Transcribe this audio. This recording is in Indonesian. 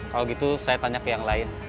kalau gitu saya tanya ke yang lain